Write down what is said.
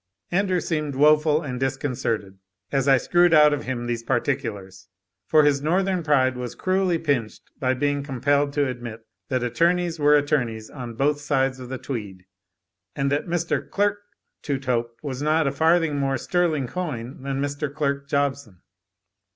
Andrew seemed woeful and disconcerted, as I screwed out of him these particulars; for his northern pride was cruelly pinched by being compelled to admit that attorneys were attorneys on both sides of the Tweed; and that Mr. Clerk Touthope was not a farthing more sterling coin than Mr. Clerk Jobson.